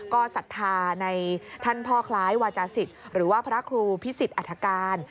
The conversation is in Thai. ก็ศรัทธาในท่านพ่อคล้ายวาจาศิษย์หรือว่าพระครูพิสิทธิอัฐการ